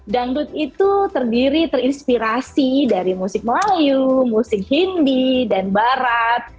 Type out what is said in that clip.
dangdut itu terdiri terinspirasi dari musik melayu musik hindi dan barat